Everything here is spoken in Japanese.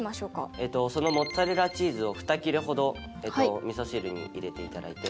えっとそのモッツァレラチーズを２切れほど味噌汁に入れていただいて。